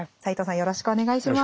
よろしくお願いします。